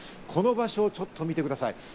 この場所ちょっと見てください。